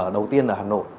đầu tiên là hà nội